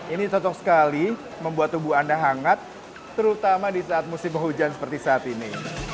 ini cocok sekali membuat tubuh anda hangat terutama di saat musim penghujan seperti saat ini